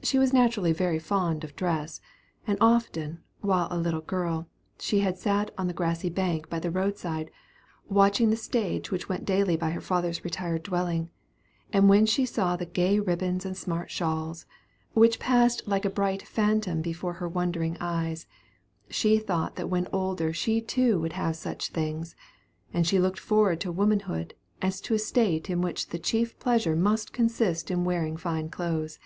She was naturally very fond of dress, and often, while a little girl, had she sat on the grass bank by the road side, watching the stage which went daily by her father's retired dwelling; and when she saw the gay ribbons and smart shawls, which passed like a bright phantom before her wondering eyes, she had thought that when older she too would have such things; and she looked forward to womanhood as to a state in which the chief pleasure must consist in wearing fine clothes.